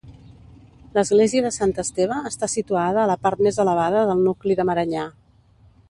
L'església de Sant Esteve està situada a la part més elevada del nucli de Maranyà.